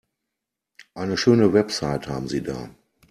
Eine schöne Website haben Sie da.